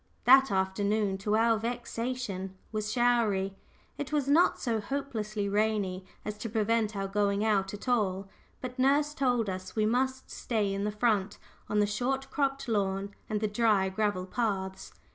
That afternoon, to our vexation, was showery it was not so hopelessly rainy as to prevent our going out at all, but nurse told us we must stay in the front, on the short cropped lawn and the dry gravel paths.